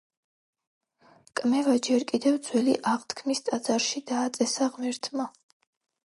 კმევა ჯერ კიდევ ძველი აღთქმის ტაძარში დააწესა ღმერთმა.